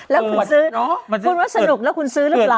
แล้วคุณซื้อคุณว่าสนุกแล้วคุณซื้อหรือเปล่า